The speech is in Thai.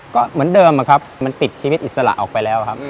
ก็เหมือนเดิมอะครับมันติดชีวิตอิสระออกไปแล้วครับ